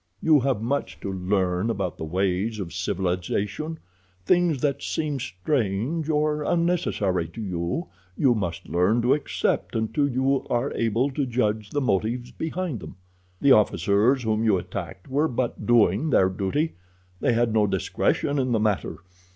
"You have much to learn about the ways of civilization. Things that seem strange or unnecessary to you, you must learn to accept until you are able to judge the motives behind them. The officers whom you attacked were but doing their duty. They had no discretion in the matter.